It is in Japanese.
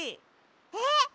えっ！？